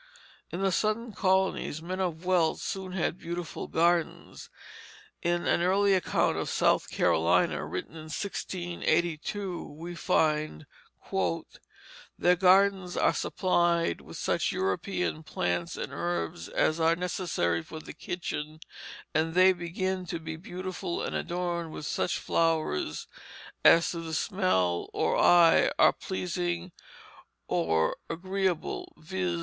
In the Southern colonies men of wealth soon had beautiful gardens. In an early account of South Carolina, written in 1682, we find: "Their Gardens are supplied with such European Plants and Herbs as are necessary for the Kitchen, and they begin to be beautiful and adorned with such Flowers as to the Smell or Eye are pleasing or agreeable, viz.